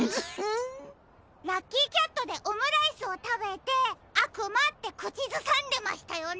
ラッキーキャットでオムライスをたべて「あくま」ってくちずさんでましたよね？